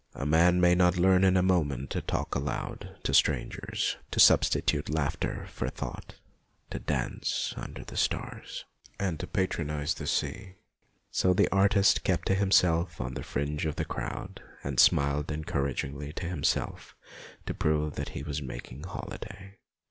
A man may not learn in a moment to talk aloud to strangers, to substitute laughter for thought, to dance under the stars, and to patronize the sea. So the artist kept himself on the fringe of the crowd, and smiled encouragingly to himself to prove that he was making holiday.